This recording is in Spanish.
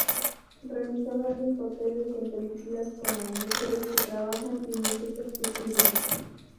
Realizó grandes papeles en películas como "Mujeres que trabajan" y "Muchachas que estudian".